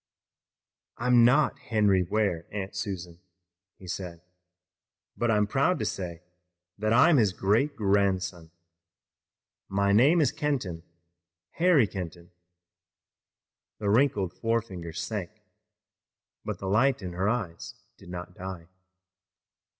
"I'm not Henry Ware, Aunt Susan," he said, "but I'm proud to say that I'm his great grandson. My name is Kenton, Harry Kenton." The wrinkled forefinger sank, but the light in her eyes did not die.